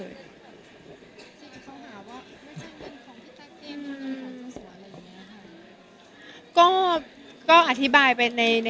ที่เขาถามว่าไม่ใช่มันของพี่ตะเก้มันมีของสังสัยอะไรอย่างเนี่ยค่ะ